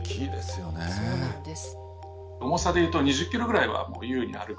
そうなんです。